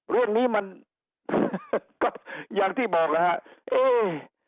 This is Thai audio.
เรื่องนี้มันก็อย่างที่บอกแล้วฮะเอ๊